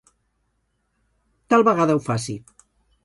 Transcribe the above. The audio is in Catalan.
Tal vegada ho faci.